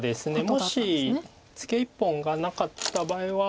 もしツケ１本がなかった場合は。